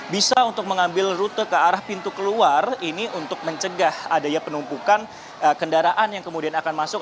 bisa untuk mengambil rute ke arah pintu keluar ini untuk mencegah adanya penumpukan kendaraan yang kemudian akan masuk